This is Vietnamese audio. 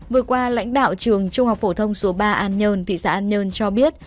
vừa qua lãnh đạo trường trung học phổ thông số ba an nhơn thị xã an nhơn cho biết